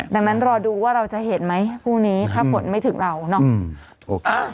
ดังนั้นรอดูว่าเราจะเห็นไหมพรุ่งนี้ถ้าฝนไม่ถึงเราเนาะ